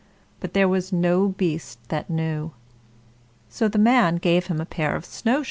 But there was no beast that knew. So the man gave him a pair of snow shoes.